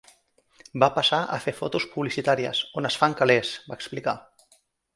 Va passar a fer fotos publicitàries, "on es fan calés", va explicar.